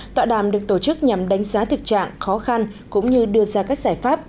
tọa đàm được tổ chức nhằm đánh giá thực trạng khó khăn cũng như đưa ra các giải pháp